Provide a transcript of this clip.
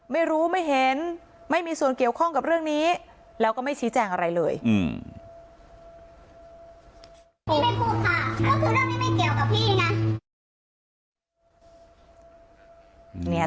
ไม่รู้ไม่เห็นไม่มีส่วนเกี่ยวข้องกับเรื่องนี้แล้วก็ไม่ชี้แจงอะไรเลย